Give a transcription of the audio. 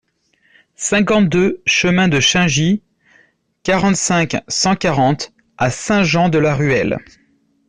cinquante-deux chemin de Chaingy, quarante-cinq, cent quarante à Saint-Jean-de-la-Ruelle